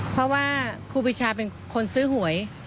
เพราะว่าครูปีชาเป็นคนซื้อหวย